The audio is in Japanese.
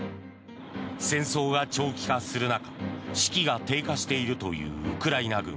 戦争が長期化する中士気が低下しているというウクライナ軍。